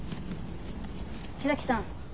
木崎さん